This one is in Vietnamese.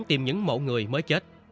tìm những mộ người mới chết